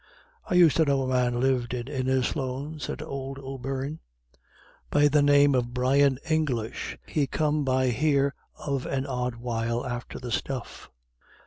"I used to know a man lived at Innislone," said old O'Beirne, "be the name of Brian English. He come by here of an odd while after the stuff."